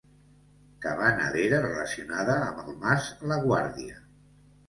Cabana d'era relacionada amb el mas la Guàrdia.